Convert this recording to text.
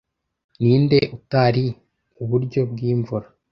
Ninde utari uburyo bwimvura